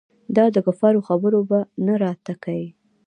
دا دکفارو خبرې به نه راته کيې.